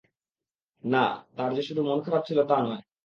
না, তার যে শুধু মন খারাপ ছিল তা নয়।